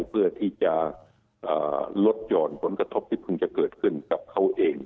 เพื่อที่จะลดหย่อนผลกระทบที่เพิ่งจะเกิดขึ้นกับเขาเอง